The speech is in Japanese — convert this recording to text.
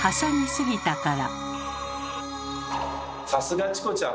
さすがチコちゃん！